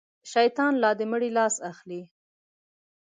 شيطان لا د مړي لاس اخلي.